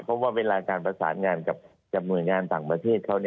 เพราะว่าเวลาการประสานงานกับหน่วยงานต่างประเทศเขา